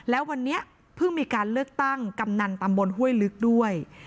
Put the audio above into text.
แล้ววันนี้เพิ่งมีการเลือกตั้งกำนันตำบลห้วยลึกด้วย